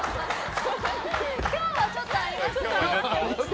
今日はちょっとありますね。